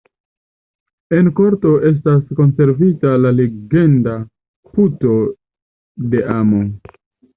En korto estas konservita la legenda Puto de amo.